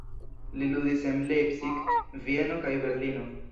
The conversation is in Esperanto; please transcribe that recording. Li ludis en Leipzig, Vieno kaj Berlino.